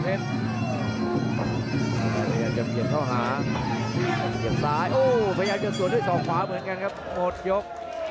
พยายามจะเบียดเข้าหาเสียบซ้ายโอ้พยายามจะสวนด้วยศอกขวาเหมือนกันครับหมดยก